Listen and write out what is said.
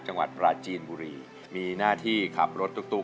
จังหวัดปราจีนบุรีมีหน้าที่ขับรถตุ๊ก